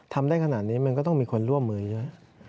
ทำได้ขนาดนี้มันก็ต้องมีคนร่วมมือเยอะ